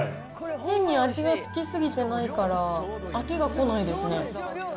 変に味が付き過ぎてないから、飽きがこないですね。